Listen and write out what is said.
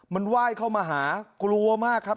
มันไหว้เข้ามาหากลัวมากครับ